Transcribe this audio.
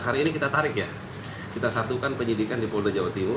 hari ini kita tarik ya kita satukan penyidikan di polda jawa timur